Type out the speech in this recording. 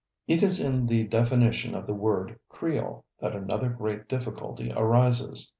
It is in the definition of the word Creole that another great difficulty arises.